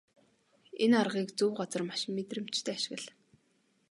Энэ аргыг зөв газар маш мэдрэмжтэй ашигла.